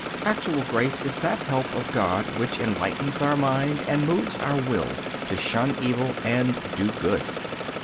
Actual grace is that help of God which enlightens our mind and moves our will to shun evil and do good.